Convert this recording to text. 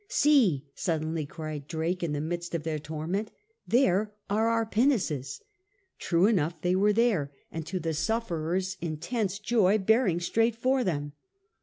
" See," suddenly cried Drake in the midst of their torment, "there are our pinnaces." True enough they were there, and to the sufferers' in in A NARROW ESCAPE 45 tense joy bearing straight for them.